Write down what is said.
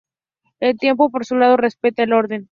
El Tiempo por su lado respeta el Orden.